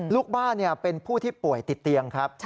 ลูกบ้านเป็นผู้ที่ป่วยติดเตียงครับ